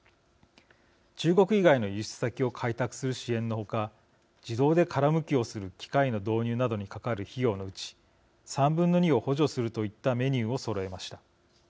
中国以外の輸出先を開拓する支援の他自動で殻むきをする機械の導入などにかかる費用のうち３分の２を補助するといったメニューをそろえました。